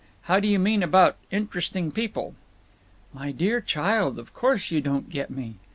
How do you mean about 'Interesting People'?" "My dear child, of course you don't get me."